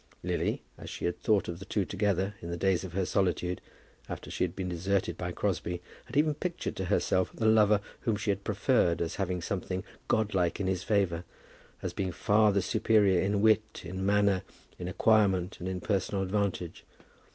Lily, as she had thought of the two together, in the days of her solitude, after she had been deserted by Crosbie, had ever pictured to herself the lover whom she had preferred as having something godlike in his favour, as being far the superior in wit, in manner, in acquirement, and in personal advantage.